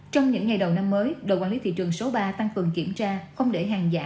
trong những ngày đầu năm mới đội quản lý thị trường số ba tăng cường kiểm tra không để hàng giả